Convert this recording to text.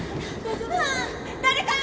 誰か！